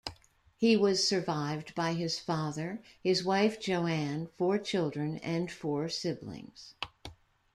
He was survived by his father, his wife Joanne, four children and four siblings.